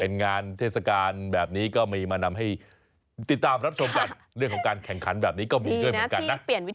เป็นงานเทศกาลแบบนี้ก็มีมานำให้ติดตามรับชมกันเรื่องของการแข่งขันแบบนี้ก็มีด้วยเหมือนกันนะ